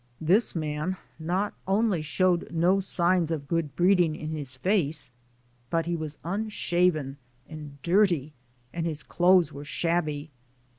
This man not only showed no signs of good breeding in his face, but he was unshaven and dirty and his clothes were shabby.